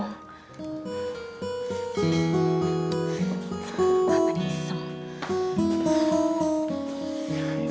bukan hipotermia dong